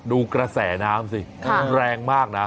ดูกระแสน้ำสิแรงมากนะ